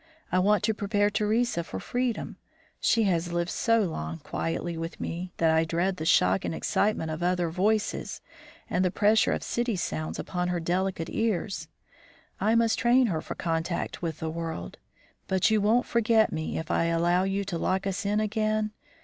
I want to prepare Theresa for freedom; she has lived so long quietly with me that I dread the shock and excitement of other voices and the pressure of city sounds upon her delicate ears. I must train her for contact with the world. But you won't forget me if I allow you to lock us in again?